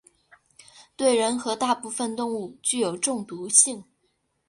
对人和大部分动物具中毒性。